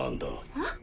えっ？